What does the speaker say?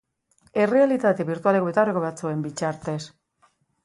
Errealitate birtualeko betaurreko batzuen bitartez.